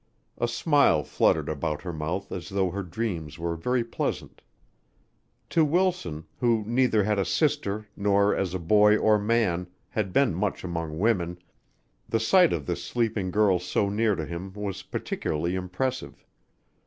A smile fluttered about her mouth as though her dreams were very pleasant. To Wilson, who neither had a sister nor as a boy or man had been much among women, the sight of this sleeping girl so near to him was particularly impressive.